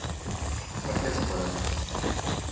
Per què no ho faran?